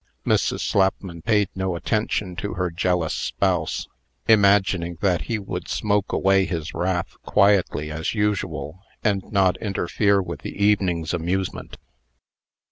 Mrs. Slapman paid no attention to her jealous spouse, imagining that he would smoke away his wrath quietly, as usual, and not interfere with the evening's amusement.